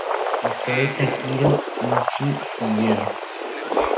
itoetakiro ishi iye